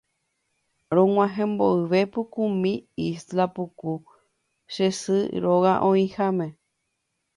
Rog̃uahẽ mboyve pukumi Isla puku che sy róga oĩháme